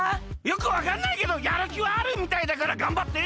よくわかんないけどやるきはあるみたいだからがんばって！